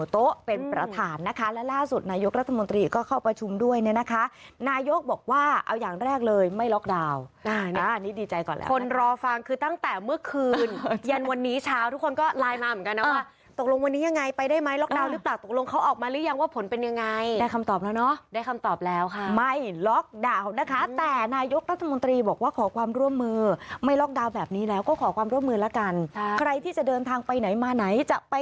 เย็นวันนี้เช้าทุกคนก็ไลน์มาเหมือนกันนะว่าตกลงวันนี้ยังไงไปได้ไหมล็อคดาวน์หรือเปล่าตกลงเขาออกมาหรือยังว่าผลเป็นยังไงได้คำตอบแล้วเนาะได้คำตอบแล้วค่ะไม่ล็อคดาวน์นะคะแต่นายกรัฐมนตรีบอกว่าขอความร่วมมือไม่ล็อคดาวน์แบบนี้แล้วก็ขอความร่วมมือแล้วกันใครที่จะเดินทางไปไหนมาไหนจะ